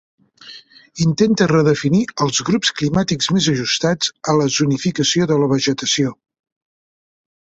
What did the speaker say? Intenta redefinir als grups climàtics més ajustats a la zonificació de la vegetació.